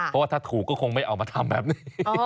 เพราะว่าถ้าถูกก็คงไม่เอามาทำแบบนี้